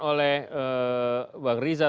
oleh bang riza